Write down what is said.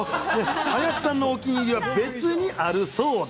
林さんのお気に入りは別にあるそうで。